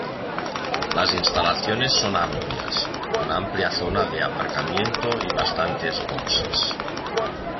Las instalaciones son amplias, con amplia zona de aparcamiento y bastantes boxes.